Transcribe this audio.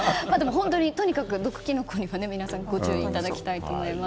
本当にとにかく毒キノコにはご注意いただきたいと思います。